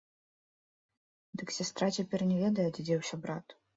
Дык сястра цяпер не ведае, дзе дзеўся брат.